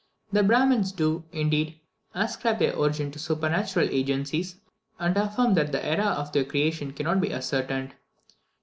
The Brahmins do, indeed, ascribe their origin to supernatural agencies, and affirm that the era of their creation cannot be ascertained.